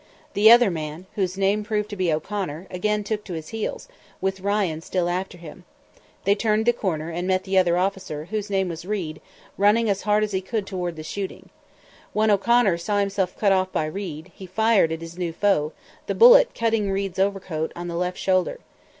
The other man, whose name proved to be O'Connor, again took to his heels, with Ryan still after him; they turned the corner and met the other officer, whose name was Reid, running as hard as he could toward the shooting. When O'Connor saw himself cut off by Reid, he fired at his new foe, the bullet cutting Reid's overcoat on the left shoulder.